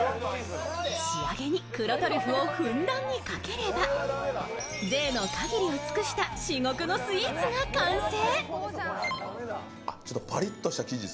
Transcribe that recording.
仕上げに黒トリュフをふんだんにかければ贅の限りを尽くした至極のスイーツが完成。